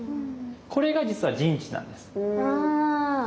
これが実は陣地なんです。